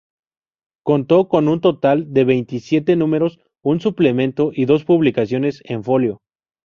Contó con un total de veintisiete números, un suplemento y dos publicaciones en folio.